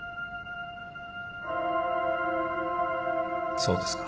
そうですか。